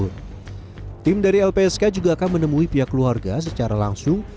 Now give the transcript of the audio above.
tim dari lpsk juga akan menemui pihak keluarga secara langsung